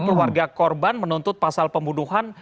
keluarga korban menuntut pasal pembunuhan